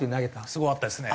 すごかったですね。